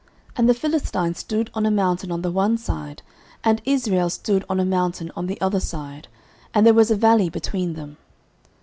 09:017:003 And the Philistines stood on a mountain on the one side, and Israel stood on a mountain on the other side: and there was a valley between them.